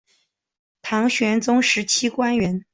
唐玄宗时期官员。